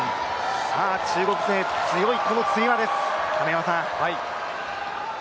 中国勢が強いつり輪です。